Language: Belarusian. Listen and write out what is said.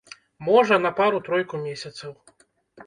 Можа, на пару-тройку месяцаў.